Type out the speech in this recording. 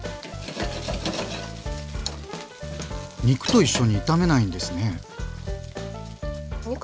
肉と一緒に炒めないんですね。